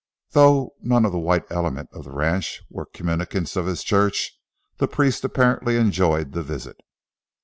Though none of the white element of the ranch were communicants of his church, the priest apparently enjoyed the visit.